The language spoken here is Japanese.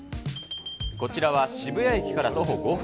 こちらは渋谷駅から徒歩５分。